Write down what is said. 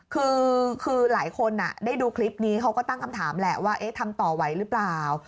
คือหลายคนได้ดูคลิปนี้เขาก็ตั้งคำถามแหละว่าทำต่อไหวหรือเปล่า